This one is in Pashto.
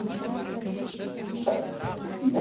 دا چيني چې د ملک سیدلال نوم واوري، په غپا راشي.